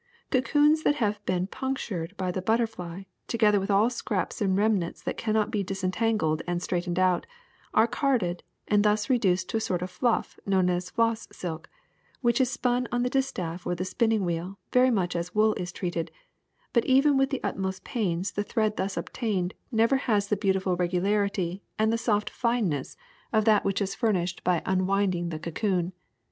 *^ Cocoons that have been punctured by the butter fly, together with all scraps and remnants that can not be disentangled and straightened out, are carded and thus reduced to a sort of fluff kno\\Ti as floss silk, which is spun on the distaif or the spinning wheel very much as wool is treated; but even with the ut most pains the thread thus obtained never has the beautiful regularity and the soft fineness of that M THE SECRET OF EVERYDAY THINGS which is furnished by unwinding the cocoon.